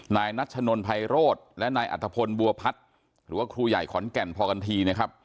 นายนัชนลไพโรธและนายอัตภพลบัวพัฒน์หรือว่าครูใหญ่ขอนแก่นพกันที